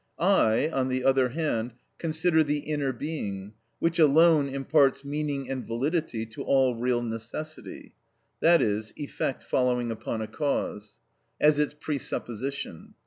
I, on the other hand, consider the inner being, which alone imparts meaning and validity to all real necessity (i.e., effect following upon a cause) as its presupposition.